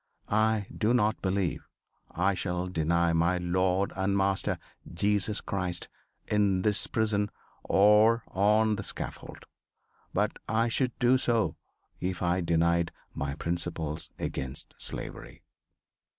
I do not believe I shall deny my Lord and Master, Jesus Christ, in this prison or on the scaffold. But I should do so if I denied my principles against slavery."